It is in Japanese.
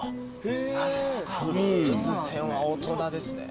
クルーズ船は大人ですね。